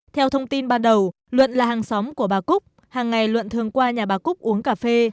theo thông tin ban đầu luận là hàng xóm của bà cúc hàng ngày luận thường qua nhà bà cúc uống cà phê